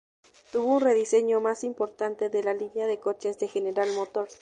Tuvo un rediseño más importante de la línea de coches de General Motors.